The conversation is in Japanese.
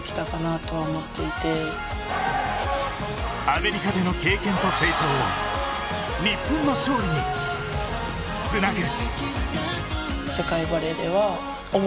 アメリカでの経験と成長を日本の勝利につなげ。